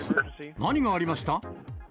何がありました？